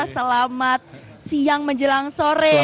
selamat siang menjelang sore